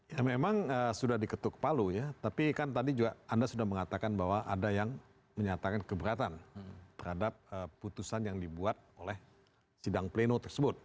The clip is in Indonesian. ya memang sudah diketuk palu ya tapi kan tadi juga anda sudah mengatakan bahwa ada yang menyatakan keberatan terhadap putusan yang dibuat oleh sidang pleno tersebut